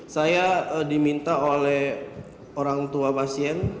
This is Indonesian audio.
saya diminta oleh orang tua pasien